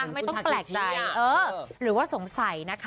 ไม่ต้องแปลกใจหรือว่าสงสัยนะคะ